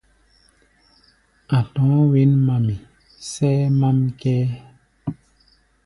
A̧ tɔ̧ɔ̧́ wěn-mami, sʼɛ́ɛ́ mám kʼɛ́ɛ́.